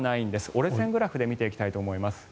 折れ線グラフで見ていきたいと思います。